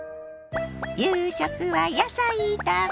夕食は野菜炒め？